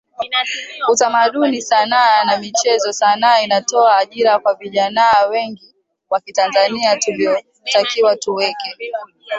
Utamaduni Sanaa na Michezo Sanaa inatoa ajira kwa vijanaa wengi wa kitanzania tulitakiwa tuweke